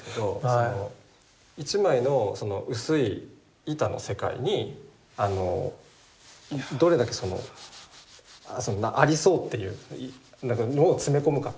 その一枚の薄い板の世界にどれだけそのありそうっていうのを詰め込むかっていう。